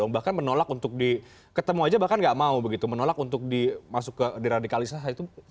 bahkan menolak untuk di ketemu aja bahkan gak mau begitu menolak untuk dimasuk ke diradikalisasi itu bagaimana